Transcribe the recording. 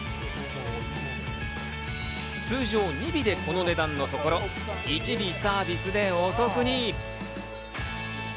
通常２尾でこの値段のところ、１尾サービスでお得に。